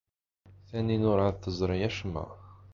Taninna werɛad ur teẓri acemma.